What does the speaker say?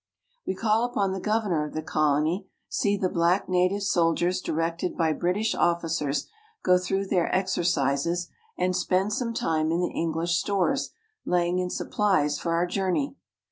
^t^ We call upon the _ j^B governor of the col ony, see the black na tive soldiers directed by British officers go through their exer cises, and spend some time in the English stores laying in sup plies for our journey.